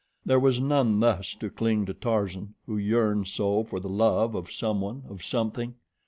There was none thus to cling to Tarzan, who yearned so for the love of someone, of something.